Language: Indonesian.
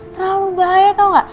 terlalu bahaya tau gak